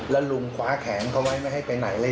แล้วลุงคว้าแขนเขาไว้ไม่ให้ไปไหนเลย